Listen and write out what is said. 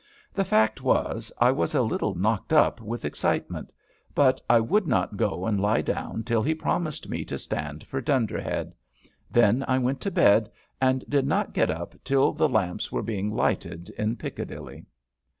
The fact was, I was a little knocked up with excitement; but I would not go and lie down till he promised me to stand for Dunderhead. Then I went to bed, and did not get up till the lamps were being lighted in Piccadilly.